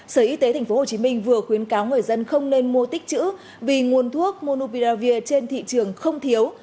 sở y tế tp hcm vừa khuyến cáo người dân không nên mua tích chữ vì nguồn thuốc monopiravir trên thị trường không thiếu